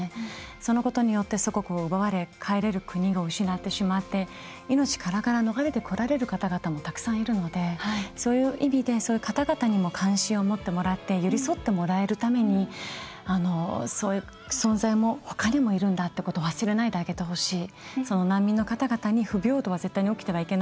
そのことによって、祖国を奪われ帰れる国を失ってしまって命からがら逃れてくる方もたくさんいるのでそういう意味でそういう方々にも関心を持ってもらって寄り添ってもらうためにそういう存在がほかにもいるんだということを忘れないであげてほしい。